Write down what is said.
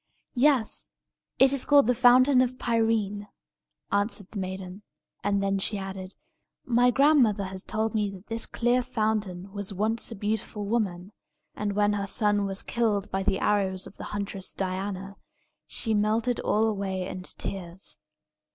"Yes; it is called the Fountain of Pirene," answered the maiden; and then she added, "My grandmother has told me that this clear fountain was once a beautiful woman; and when her son was killed by the arrows of the huntress Diana, she melted all away into tears.